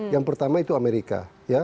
yang pertama itu amerika